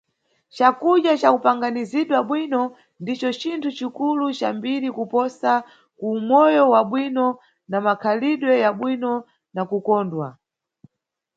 Cakudya ca kupanganizidwa bwino ndico cinthu cikulu ca mbiri kuposa ku umoyo wabwino, na makhalidwe ya bwino na kukondwa.